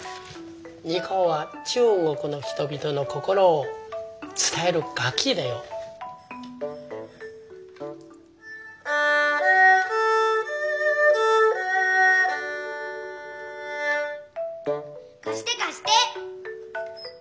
二胡は中国の人々の心をつたえる楽きだよ。かしてかして。